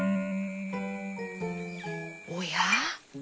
おや？